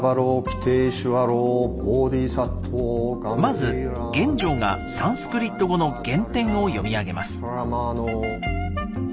まず玄奘がサンスクリット語の原典を読み上げます。